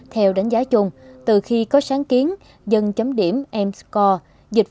theo đánh giá chung từ khi có sáng kiến dân chấm điểm m score dịch vụ tại các bộ phận một cửa đã có các tiến bộ